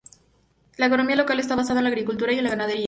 La economía local está basada en la agricultura y en la ganadería.